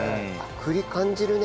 栗感じるね。